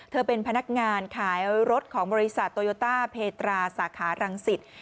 เป็นพนักงานขายรถของบริษัทโตโยต้าเพตราสาขารังสิต